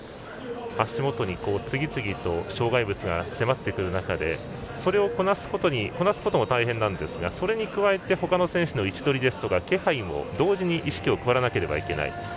足元に次々と障害物が迫ってくる中でそれをこなすことも大変ですがそれに加えてほかの選手の位置取りですとか、気配も同時に意識を配らなければいけない。